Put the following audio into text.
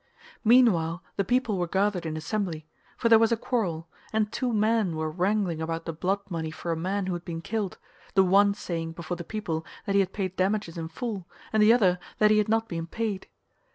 Meanwhile the people were gathered in assembly, for there was a quarrel, and two men were wrangling about the blood money for a man who had been killed, the one saying before the people that he had paid damages in full, and the other that he had not been paid.